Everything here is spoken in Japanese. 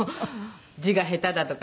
字が下手だとか。